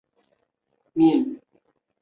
千绵车站大村线的沿线车站。